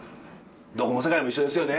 どこの世界も一緒ですよね。